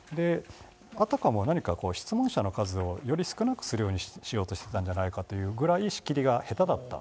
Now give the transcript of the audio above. あたかも何か質問者の数を、より少なくするようにしてたんじゃないかというぐらい仕切りが下手だった。